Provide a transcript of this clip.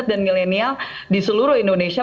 dan millenial di seluruh indonesia